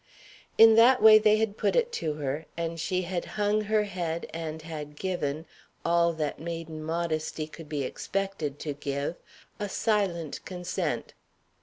In that way they had put it to her; and she had hung her head and had given all that maiden modesty could be expected to give a silent consent.